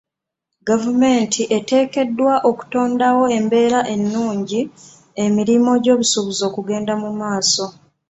Gavumenti eteekeddwa okutondawo embera ennungi emirimu gy'obusuubuzi okugenda mu maaso.